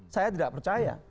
saya tidak percaya